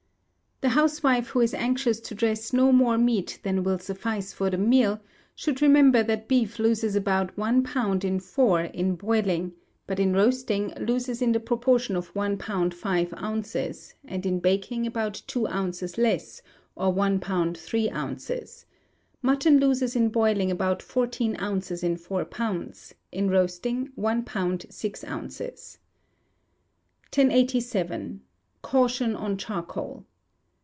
The housewife who is anxious to dress no more meat than will suffice for the meal, should remember that beef loses about one pound in four in boiling, but in roasting, loses in the proportion of one pound five ounces, and in baking about two ounces less, or one pound three ounces; mutton loses in boiling about fourteen ounces in four pounds; in roasting, one pound six ounces. 1087. Caution on Charcoal.